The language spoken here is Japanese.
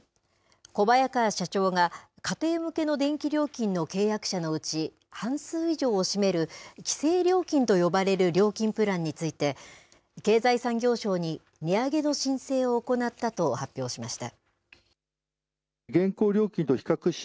小早川社長が、家庭向けの電気料金の契約者のうち、半数以上を占める規制料金と呼ばれる料金プランについて、経済産業省に値上げの申請を行ったと発表しました。